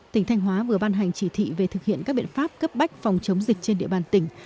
tỉnh thanh hóa vừa ban hành chỉ thị về thực hiện các biện pháp cấp bách phòng chống dịch trên địa bàn tỉnh